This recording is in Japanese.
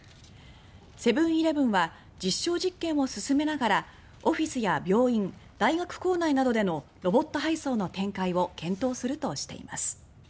セブン−イレブンは実証実験を進めながらオフィスや病院大学構内などでのロボット配送の展開を検討するとしています。